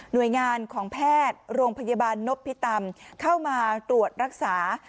โดยงานของแพทย์โรงพยาบาลนพิตำเข้ามาตรวจรักษา